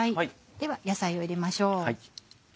では野菜を入れましょう。